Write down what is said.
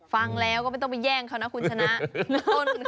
ฟังแล้วก็ไม่ต้องไปแย่งเขานะคุณชนะ